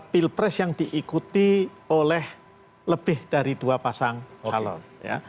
pilpres yang diikuti oleh lebih dari dua pasang calon ya